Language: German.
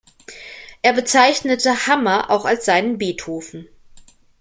Er bezeichnete Hammer auch als seinen Beethoven.